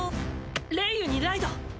レイユにライド！